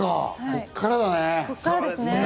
ここからですね。